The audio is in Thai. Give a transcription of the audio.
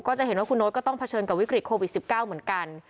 จะเห็นว่าคุณโน๊ตก็ต้องเผชิญกับวิกฤตโควิด๑๙เหมือนกัน